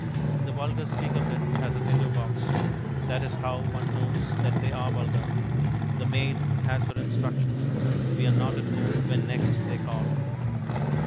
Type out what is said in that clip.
The vulgar speak of it as a window box; that is how one knows that they are vulgar. The maid has her instructions; we are not at home when next they call.